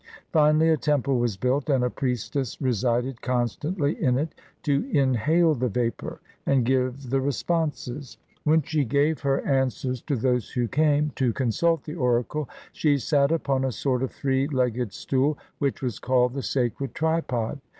Finally, a temple was built, and a priestess re sided constantly in it, to inhale the vapor and give the 304 HOW CYRUS WON THE LAND OF GOLD responses. When she gave her answers to those who came to consult the oracle, she sat upon a sort of three legged stool, which was called the sacred tripod.